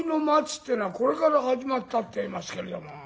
ってえのはこれから始まったっていいますけれども。